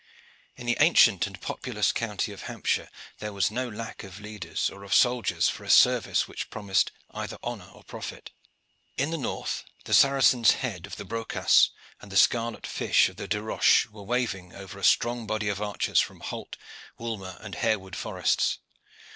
In the ancient and populous county of Hampshire there was no lack of leaders or of soldiers for a service which promised either honor or profit. In the north the Saracen's head of the Brocas and the scarlet fish of the De Roches were waving over a strong body of archers from Holt, Woolmer, and Harewood forests.